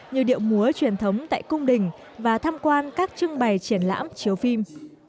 như điệu múa truyền thống tại cung đình và tham quan các trưng bày triển lãm chiếu phim